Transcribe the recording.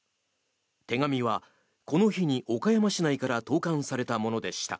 手紙はこの日に岡山市内から投函されたものでした。